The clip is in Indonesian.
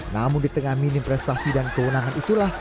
namun di tengah minim prestasi dan kewenangan itulah